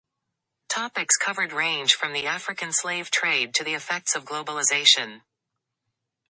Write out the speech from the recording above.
Topics covered range from the African slave trade to the effects of globalization.